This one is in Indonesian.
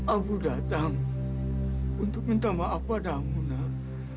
abu datang untuk minta maaf padamu nak